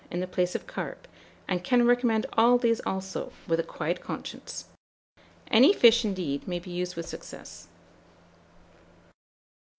in the place of carp, and can recommend all these also, with a quiet conscience. Any fish, indeed, may be used with success.